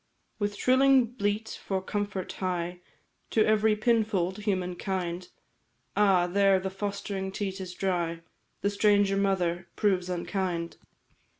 "With shrilling bleat for comfort hie To every pinfold, humankind; Ah, there the fostering teat is dry, The stranger mother proves unkind.